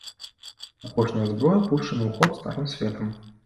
Апошняя зброя пушчана ў ход старым светам.